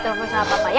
telepon sahabat papa ya